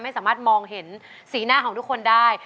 ไม่สามารถมองเห็นสีหน้าของทุกคนได้